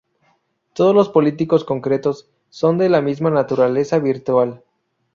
Todos los políticos concretos son de la misma naturaleza virtual.